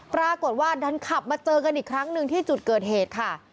ปรากฏว่าดันขับมาเจอกันอีกครั้งหนึ่งที่จุดเกิดเหตุค่ะ